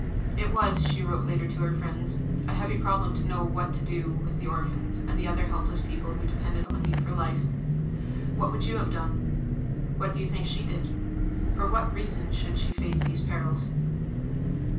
"It was," she wrote later to her friends, "a heavy problem to know what to do with the orphans and other helpless people who depended on me for life." What would you have done? What do you think she did? For what reason should she face these perils?